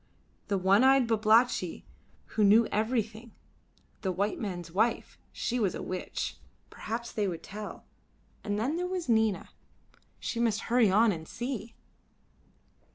The one eyed Babalatchi who knew everything; the white man's wife she was a witch. Perhaps they would tell. And then there was Nina. She must hurry on and see.